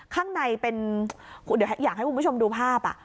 ข้างในเป็นเดี๋ยวอยากให้คุณผู้ชมดูภาพ